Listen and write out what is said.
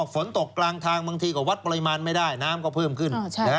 ฝนตกกลางทางบางทีก็วัดปริมาณไม่ได้น้ำก็เพิ่มขึ้น